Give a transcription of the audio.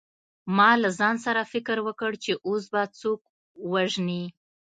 ما له ځان سره فکر وکړ چې اوس به څوک وژنې